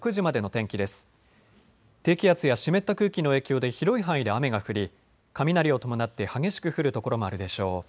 低気圧や湿った空気の影響で広い範囲で雨が降り、雷を伴って激しく降る所もあるでしょう。